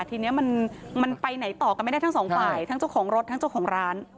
ทีนี้มันไปไหนต่อกันไม่ได้ทั้งสองฝ่ายทั้งเจ้าของรถทั้งเจ้าของร้าน